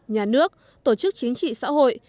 nhà nước tổ chức chính trị xã hội